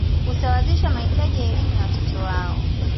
Kusawazisha mahitaji ya elimu ya watoto wao